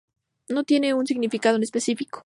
No tiene un significado en específico.